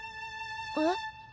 えっ？